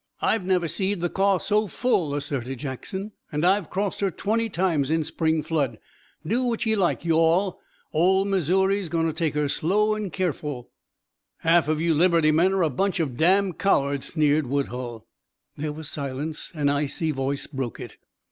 "I've never seed the Kaw so full," asserted Jackson, "an' I've crossed her twenty times in spring flood. Do what ye like, you all ole Missoury's goin' to take her slow an' keerful." "Half of you Liberty men are a bunch of damned cowards!" sneered Woodhull. There was silence. An icy voice broke it.